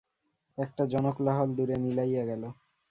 একটা জনকোলাহল দূরে মিলাইয়া গেল।